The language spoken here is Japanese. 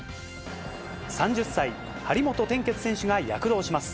３０歳、張本天傑選手が躍動します。